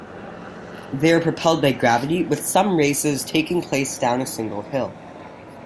They are propelled by gravity, with some races taking place down a single hill.